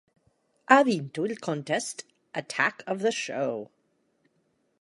Ha vinto il contest "Attack of the Show!